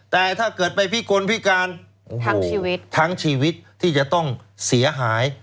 แต่ถ้าเกิดไปพี่กลพี่การทั้งชีวิตที่จะต้องเสียหาย